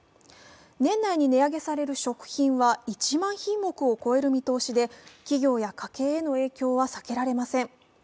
年内に値上げされる食品は１万品目を超える見通しで企業や家計への影響は避けられません。